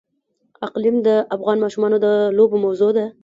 اقلیم د افغان ماشومانو د لوبو موضوع ده.